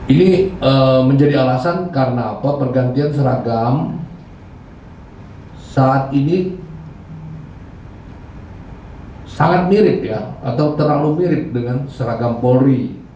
ini menjadi alasan karena apa pergantian seragam saat ini sangat mirip ya atau terlalu mirip dengan seragam polri